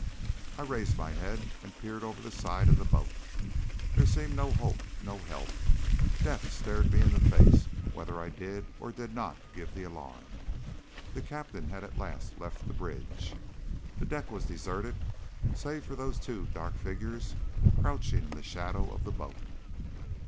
I raised my head and peered over the side of the boat. There seemed no hope, no help. Death stared me in the face, whether I did or did not give the alarm. The Captain had at last left the bridge. The deck was deserted, save for those two dark figures crouching in the shadow of the boat.